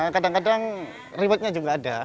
kadang kadang rewardnya juga ada